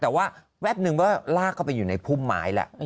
แต่ว่าแว๊บนึงก็ลากเข้าไปอยู่ในภูมิหมายละ